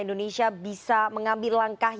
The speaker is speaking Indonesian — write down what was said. indonesia bisa mengambil langkah